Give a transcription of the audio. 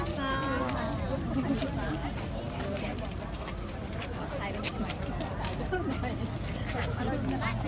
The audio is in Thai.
ว่าโปรดเพลิงจากโปรดเพลิง